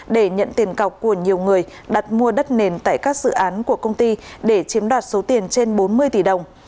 để nhận tiền cọc của nhiều người đặt mua đất nền tại các dự án của công ty để chiếm đoạt số tiền trên bốn mươi tỷ đồng